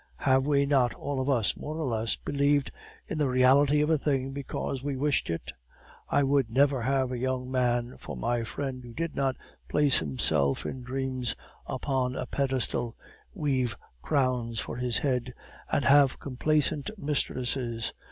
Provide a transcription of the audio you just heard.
Have we not all of us, more or less, believed in the reality of a thing because we wished it? I would never have a young man for my friend who did not place himself in dreams upon a pedestal, weave crowns for his head, and have complaisant mistresses.